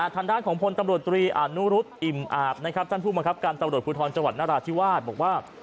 ทางด้านของพลตำรวจตรีอนุรุษอิ่มอาบนะครับท่านผู้บังคับการตำรวจภูทรจังหวัดนราธิวาสบอกว่า